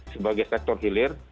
sebagai sektor hilir